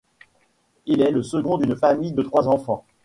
Il est le second d'une famille de trois enfants.